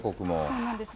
そうなんです。